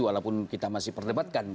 walaupun kita masih perdebatkan